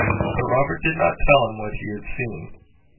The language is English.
But Robert did not tell him what he had seen.